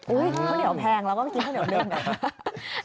อุ๊ยข้าวเหนียวแพงแล้วก็กินข้าวเหนียวเดิม